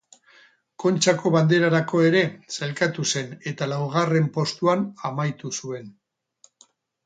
Kontxako Banderarako ere sailkatu zen eta laugarren postuan amaitu zuen.